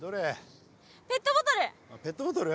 ペットボトル！